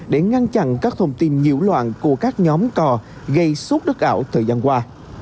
để ngăn chặn các thông tin nhiễu loạn của các nhóm cò gây xúc đất ảo thời gian qua